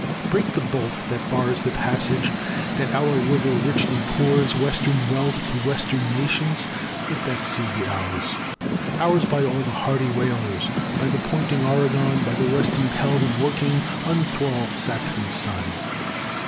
Break the bolt that bars the passage, That our River richly pours Western wealth to western nations; Let that sea be ours Ours by all the hardy whalers, By the pointing Oregon, By the west impelled and working, Unthralled Saxon son.